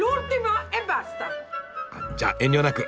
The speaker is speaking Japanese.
あっじゃあ遠慮なく！